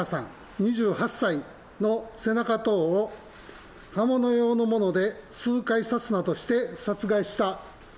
２８歳の背中等を刃物用のもので数回刺すなどして、殺害した。